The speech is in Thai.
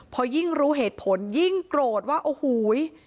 พอยิ่งรู้เหตุผลยิ่งโกรธว่าโอ้โห